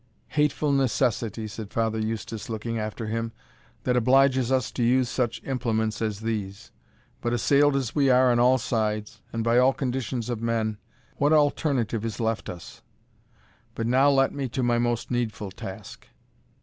"Hateful necessity," said Father Eustace, looking after him, "that obliges us to use such implements as these! But assailed as we are on all sides, and by all conditions of men, what alternative is left us? But now let me to my most needful task."